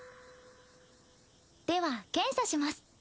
では検査します。